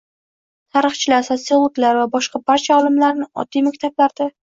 tarixchilar, sotsiologlar va boshqa barcha olimlarni; oddiy maktablarda